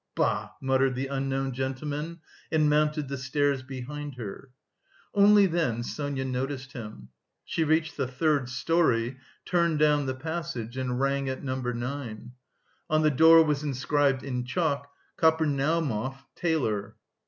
"Bah!" muttered the unknown gentleman, and mounted the stairs behind her. Only then Sonia noticed him. She reached the third storey, turned down the passage, and rang at No. 9. On the door was inscribed in chalk, "Kapernaumov, Tailor."